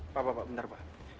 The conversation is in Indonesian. pak pak pak bentar pak